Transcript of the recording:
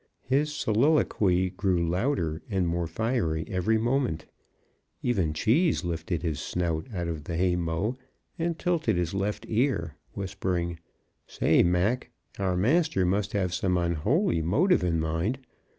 His soliloquy grew louder and more fiery every moment. Even Cheese lifted his snoot out of the haymow and, tilting his left ear, whispered, "Say, Mac, our master must have some unholy motive in mind.